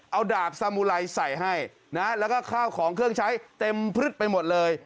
เอาดาบสามุไรใส่ให้นะแล้วก็ข้าวของเครื่องใช้เต็มพลึกไปหมดเลย